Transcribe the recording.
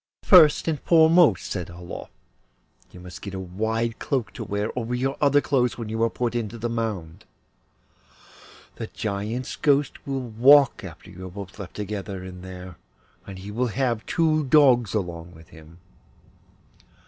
'First and foremost,' said Olof, 'you must get a wide cloak to wear over your other clothes, when you are put into the mound. The Giant's ghost will walk after you are both left together in there, and he will have two dogs along with him.